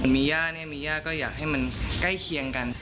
มีย่าเนี่ยมีย่าก็อยากให้มันใกล้เคียงกัน